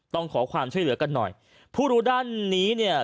ต้องขอความช่วยเหลือกันหน่อยผู้รู้ด้านนี้เนี่ย